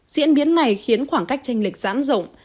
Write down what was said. diễn biến này khiến khoảng cách tranh lịch giãn rộng